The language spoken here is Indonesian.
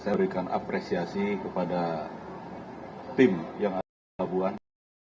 saya berikan apresiasi kepada tim yang ada di pelabuhan